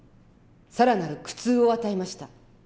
更なる苦痛を与えました。